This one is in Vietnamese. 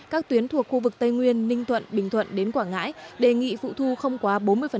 các tuyến thuộc khu vực tây nguyên ninh thuận bình thuận đến quảng ngãi đề nghị phụ thu không quá bốn mươi